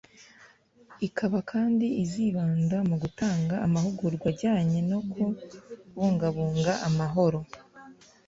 ikaba kandi izibanda mu gutanga amahugurwa ajyanye no ku bungabunga amahoro